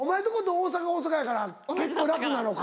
大阪大阪やから結構楽なのか。